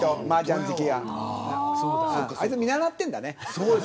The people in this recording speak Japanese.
あいつは見習ってるんだね。